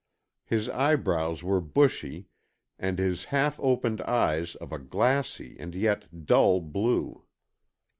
His eyebrows were bushy, and his half opened eyes of a glassy and yet dull blue.